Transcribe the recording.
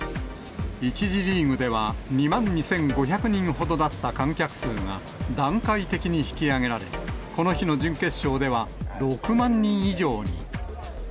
１次リーグでは２万２５００人ほどだった観客数が、段階的に引き上げられ、この日の準決勝では、６万人以上に。